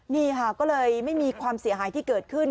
นี่ค่ะก็เลยไม่มีความเสียหายที่เกิดขึ้น